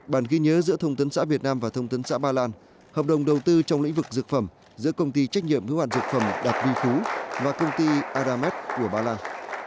bản ghi nhớ giữa thông tấn xã việt nam và thông tấn xã ba lan hợp đồng đầu tư trong lĩnh vực dược phẩm giữa công ty trách nhiệm hữu hạn dược phẩm đạt huy phú và công ty aramed của ba lan